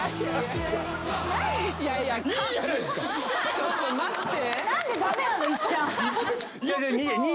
ちょっと待って。